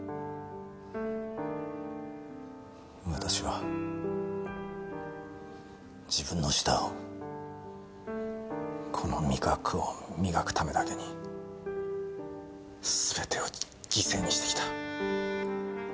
私は自分の舌をこの味覚を磨くためだけにすべてを犠牲にしてきた。